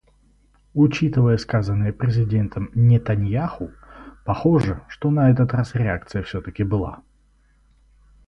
Учитывая сказанное президентом Нетаньяху, похоже, что на этот раз реакция все-таки была.